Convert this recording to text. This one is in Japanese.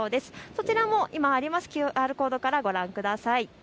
そちらも今あるＱＲコードからご覧ください。